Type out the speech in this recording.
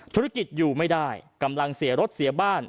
ธุรกิจอยู่ไม่ได้กำลังเสียรถเสียบ้าน